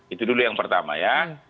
itu dulu yang pertama ya